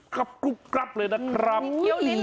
เก้าติ้นหรือเก้าหมูเนี่ย